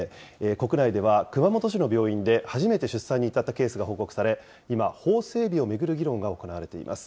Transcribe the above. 国内では、熊本市の病院で初めて出産に至ったケースが報告され、今、法整備を巡る議論が行われています。